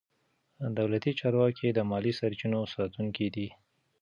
دولتي چارواکي د مالي سرچینو ساتونکي دي.